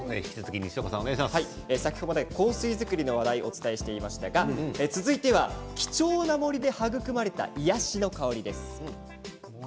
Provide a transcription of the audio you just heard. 先ほどまで香水作りの話題をお伝えしましたが続いては貴重な森で育まれた癒やしの香りです。